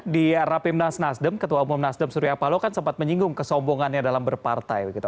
di rapimnas nasdem ketua umum nasdem surya paloh kan sempat menyinggung kesombongannya dalam berpartai